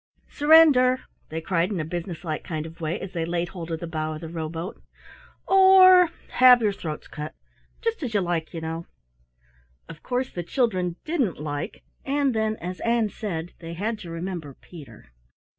"Surrender!" they cried in a businesslike kind of way as they laid hold of the bow of the rowboat, "or have your throats cut just as you like, you know." Of course the children didn't like, and then, as Ann said, they had to remember Peter.